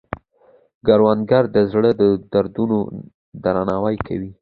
کروندګر د زړو دودونو درناوی کوي